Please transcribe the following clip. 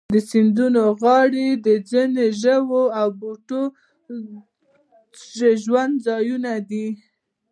د سیندونو غاړې د ځینو ژوو او بوټو د ژوند ځایونه دي.